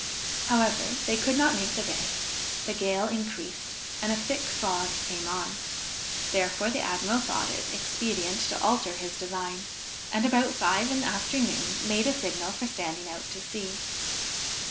However, they could not make the bay; the gale increased, and a thick fog came on; therefore the admiral thought it expedient to alter his design, and about five in afternoon made a signal for standing out to sea.